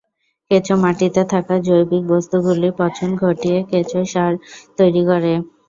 কেঁচো মাটিতে থাকা জৈবিক বস্তুগুলি পচন ঘটিয়ে কেঁচো সার তৈরী করে।